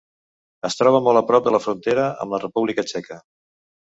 Es troba molt a prop de la frontera amb la República Txeca.